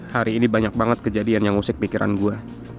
hari ini banyak banget kejadian yang ngusik pikiran gua